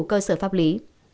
cơ sở pháp lý